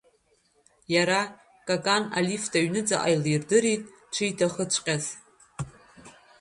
Иара, Какан, алифт аҩныҵҟа илирдырит дшиҭахыҵәҟьаз.